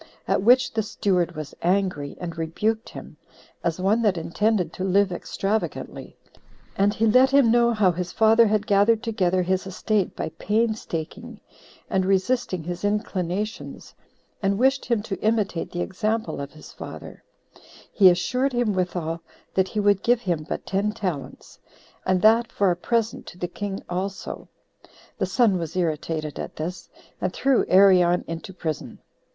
At which the steward was angry, and rebuked him, as one that intended to live extravagantly; and he let him know how his father had gathered together his estate by painstaking, and resisting his inclinations, and wished him to imitate the example of his father: he assured him withal, that he would give him but ten talents, and that for a present to the king also. The son was irritated at this, and threw Arion into prison.